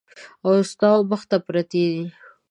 او ستا ومخ ته پرتې دي !